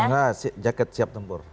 enggak jaket siap tempur